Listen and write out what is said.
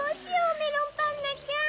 メロンパンナちゃん。